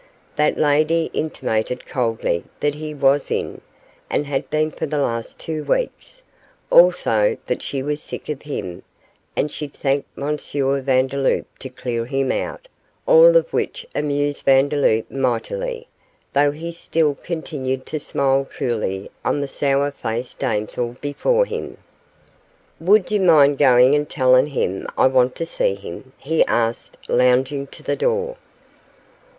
That lady intimated coldly that he was in, and had been for the last two weeks; also that she was sick of him, and she'd thank M. Vandeloup to clear him out all of which amused Vandeloup mightily, though he still continued to smile coolly on the sour faced damsel before him. 'Would you mind going and telling him I want to see him?' he asked, lounging to the door.